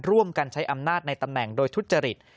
ร่วมกันใช้อำนาจในตำแหน่งโดยทุจริต